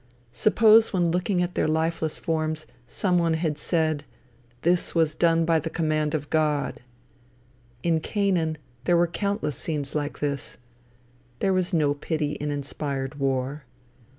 Suppose when looking at their lifeless forms, some one had said, "This was done by the command of God!" In Canaan there were countless scenes like this. There was no pity in inspired war.